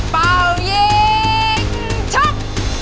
เป่ายิงชก